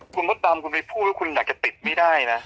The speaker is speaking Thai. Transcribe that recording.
คุณมดดำคุณไปพูดว่าคุณอยากจะติดไม่ได้นะ